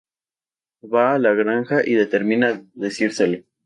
Va a la granja y determina decírselo.